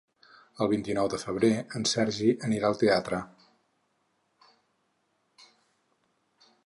El vint-i-nou de febrer en Sergi anirà al teatre.